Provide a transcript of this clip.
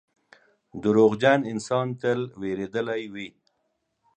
• دروغجن انسان تل وېرېدلی وي.